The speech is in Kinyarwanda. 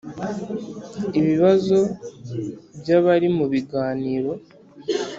Ibibazo by abari mu biganiro